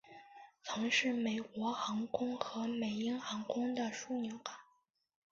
曾是美国航空和美鹰航空的枢杻港。